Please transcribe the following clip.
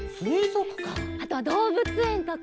あとはどうぶつえんとか。